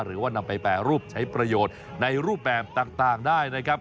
หรือว่านำไปแปรรูปใช้ประโยชน์ในรูปแบบต่างได้นะครับ